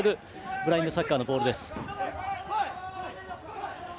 ブラインドサッカーのボール。